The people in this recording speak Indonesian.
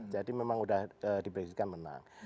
jadi memang sudah diperhatikan menang